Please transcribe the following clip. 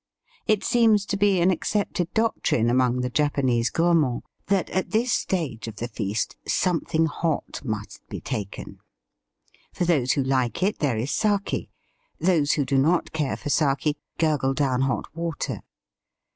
It seems to be an accepted doctrine among the Japanese gourmands that at this stage of the feast " something hot " must be taken. For those who like it there is sake. Those who do not care for sake gurgle down hot water.